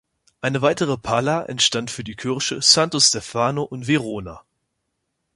Eine weitere Pala entstand für die Kirche Santo Stefano in Verona.